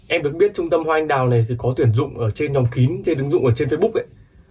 em được biết trung tâm hoa anh đào này chỉ có tuyển dụng ở trên nhóm kín trên ứng dụng ở trên facebook ấy